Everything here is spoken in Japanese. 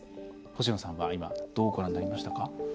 星野さんは今どうご覧になりましたか？